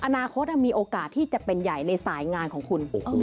อนาคตมีโอกาสที่จะเป็นใหญ่ในสายงานของคุณ